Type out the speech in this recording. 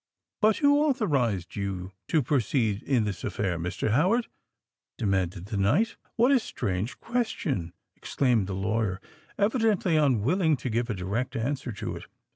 "But who authorised you to proceed in this affair, Mr. Howard?" demanded the knight. "What a strange question?" exclaimed the lawyer, evidently unwilling to give a direct answer to it.